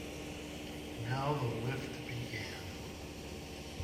Now the lift began.